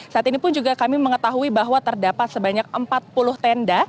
saat ini pun juga kami mengetahui bahwa terdapat sebanyak empat puluh tenda